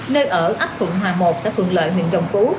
nơi ở ấp thuận hòa một xã phường lợi huyện đồng phú